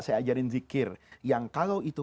saya ajarin zikir yang kalau itu